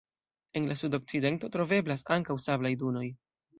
En la sudokcidento troveblas ankaŭ sablaj dunoj.